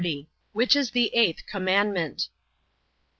Which is the eighth commandment?